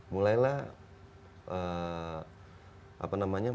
mulailah apa namanya